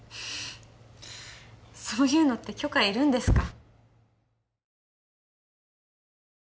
そういうのって許可いるんですか？